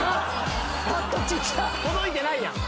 届いてないやん！